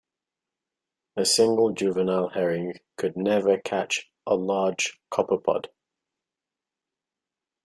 A single juvenile herring could never catch a large copepod.